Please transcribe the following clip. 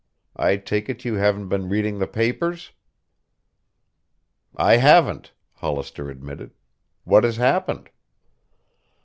I take it you haven't been reading the papers?" "I haven't," Hollister admitted. "What has happened?"